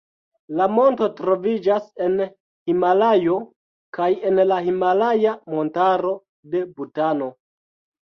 La monto troviĝas en Himalajo kaj en la himalaja montaro de Butano.